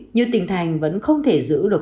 như tình thành vẫn không thể giữ được